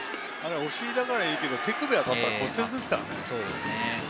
お尻だったからいいけど手首に当たったら骨折ですからね。